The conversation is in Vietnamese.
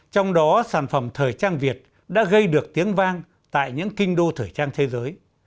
trong đó sản phẩm thời trang việt đã gây được tiếng vang tại những kinh đô thời trang thế giới